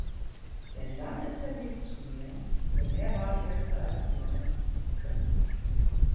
Denn dann ist der Weg zu mir für mehr Badegäste als vorher kürzer.